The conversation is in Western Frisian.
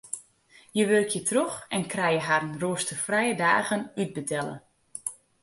Hja wurkje troch en krije harren roasterfrije dagen útbetelle.